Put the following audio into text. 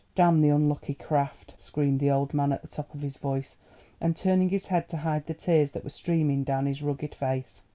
Damn the unlucky craft!" screamed the old man at the top of his voice, and turning his head to hide the tears that were streaming down his rugged face.